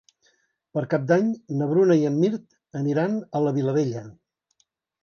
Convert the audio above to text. Per Cap d'Any na Bruna i en Mirt aniran a la Vilavella.